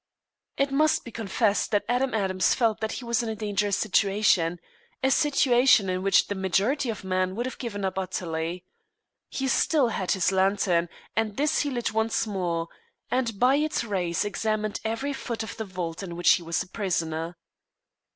It must be confessed that Adam Adams felt that he was in a dangerous situation a situation in which the majority of men would have given up utterly. He still had his lantern, and this he lit once more, and by its rays examined every foot of the vault in which he was a prisoner.